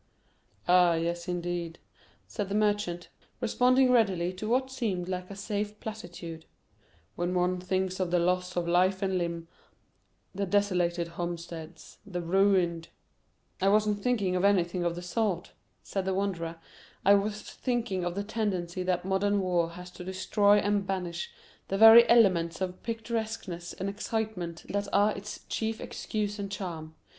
"Ah, yes, indeed," said the Merchant, responding readily to what seemed like a safe platitude; "when one thinks of the loss of life and limb, the desolated homesteads, the ruined—" "I wasn't thinking of anything of the sort," said the Wanderer; "I was thinking of the tendency that modern war has to destroy and banish the very elements of picturesqueness and excitement that are its chief excuse and charm.